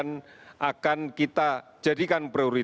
pada multiply teng prize